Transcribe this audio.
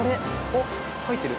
あっ書いてる。